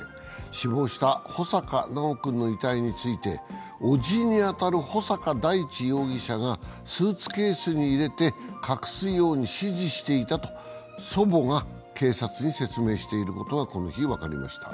死亡した穂坂修君の遺体について叔父に当たる穂坂大地容疑者が、スーツケースに入れて隠すように指示していたと祖母が警察に説明していることがこの日、分かりました。